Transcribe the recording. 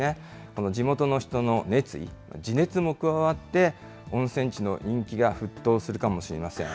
この地元の人の熱意、ジネツも加わって、温泉地の人気が沸騰するかもしれません。